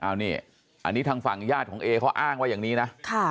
อันนี้อันนี้ทางฝั่งญาติของเอเขาอ้างว่าอย่างนี้นะ